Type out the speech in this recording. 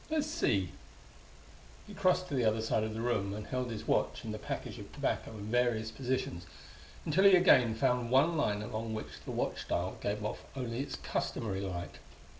Let's see " He crossed to the other side of the room and held his watch and the package of tobacco in various positions until he again found one line along which the watch dial gave off only its customary light.